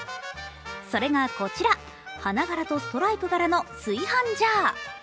それがこちら、花柄とストライプ柄の炊飯ジャー。